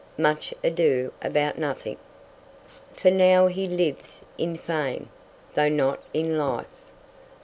Much Ado About Nothing. "For now he lives in fame, though not in life."